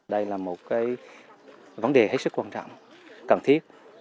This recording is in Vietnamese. đây là một vấn đề hết sức quan trọng cần thiết